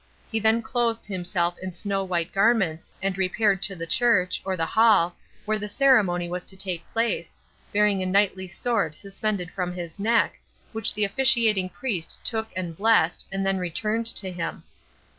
He then clothed himself in snow white garments, and repaired to the church, or the hall, where the ceremony was to take place, bearing a knightly sword suspended from his neck, which the officiating priest took and blessed, and then returned to him.